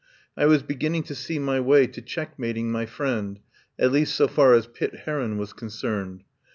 I was beginning to see my way to checkmating my friend, at least so far as Pitt Heron was concerned.